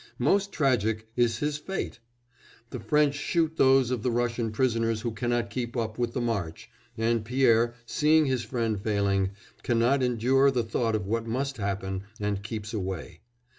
Most tragic is his fate! The French shoot those of the Russian prisoners who cannot keep up with the march, and Pierre, seeing his friend failing, cannot endure the thought of what must happen and keeps away.